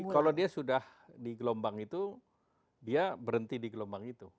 kalau dia sudah di gelombang itu dia berhenti di gelombang itu